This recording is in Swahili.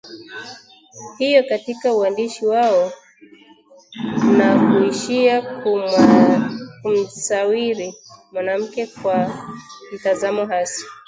hiyo katika uandishi wao na kuishia kumsawiri mwanamke kwa mtazamo hasi